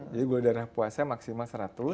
jadi gula darah puasa maksimal seratus